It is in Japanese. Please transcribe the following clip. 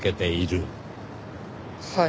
はい。